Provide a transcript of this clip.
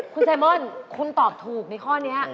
คุณไซมอนคุณตอบถูกในข้อนี้